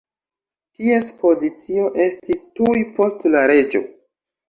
Ties pozicio estis tuj post la reĝo.